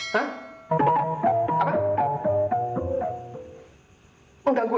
hai mengganggu rmi